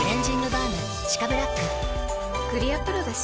クリアプロだＣ。